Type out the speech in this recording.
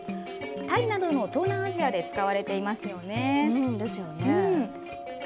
タイなどの東南アジアで使われていますよね。ですよね。